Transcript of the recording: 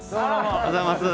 おはようございます！